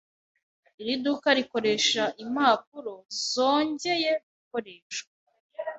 Iri duka rikoresha impapuro zongeye gukoreshwa.